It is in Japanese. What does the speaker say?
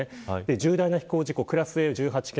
重大な飛行事故クラスＡは１８件。